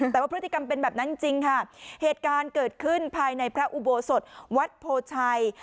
แต่ว่าพฤติกรรมเป็นแบบนั้นจริงค่ะเหตุการณ์เกิดขึ้นภายในพระอุโบสถวัดโพชัย